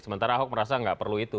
sementara ahok merasa nggak perlu itu